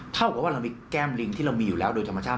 เท่ากับว่าเรามีแก้มลิงที่เรามีอยู่แล้วโดยธรรมชาติ